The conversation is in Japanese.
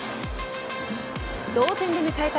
同点で迎えた